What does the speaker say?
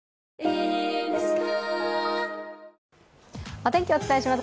お天気をお伝えします。